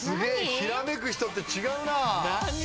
ひらめく人って違うな！